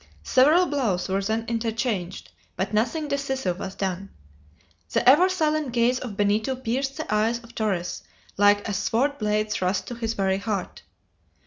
Several blows were then interchanged, but nothing decisive was done. The ever silent gaze of Benito pierced the eyes of Torres like a sword blade thrust to his very heart.